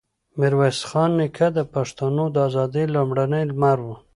ميرويس خان نیکه د پښتنو د ازادۍ لومړنی لمر و.